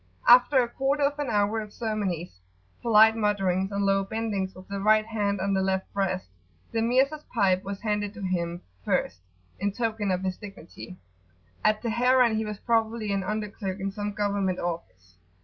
After a quarter of an hour of ceremonies, polite mutterings and low bendings with the right hand on the left breast, the Mirza's pipe was handed to him first, in token of his dignity at Teheran he was probably an under clerk in some government office.